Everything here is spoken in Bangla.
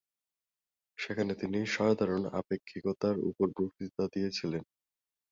সেখানে তিনি সাধারণ আপেক্ষিকতার উপর বক্তৃতা দিয়েছিলেন।